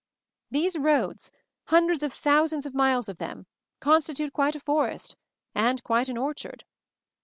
These roads, hundreds of thousands of miles of them, constitute quite a forest, and quite an orchard.